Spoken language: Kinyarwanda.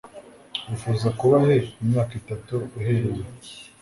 Wifuza kuba he imyaka itatu uhereye ubu?